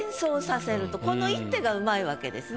この一手がうまいわけですね。